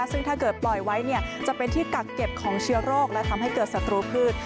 ซึ่งถ้าเกิดปล่อยไว้จะเป็นที่กักเก็บของเชื้อโรคและทำให้เกิดศัตรูพืช